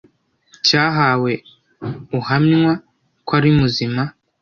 cyahawe uhamywa ko ari muzima